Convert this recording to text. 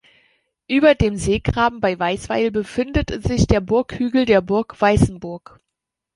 Über dem Seegraben bei Weisweil befindet sich der Burghügel der Burg Weißenburg.